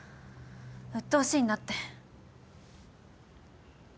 うっとうしいんだって。